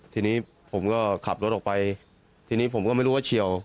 ทีนี้ผมก็ขับรถออกไปทีนี้ผมก็ไม่รู้ว่าเฉียว